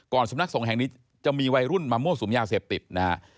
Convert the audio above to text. สำนักสงฆ์แห่งนี้จะมีวัยรุ่นมามั่วสุมยาเสพติดนะฮะ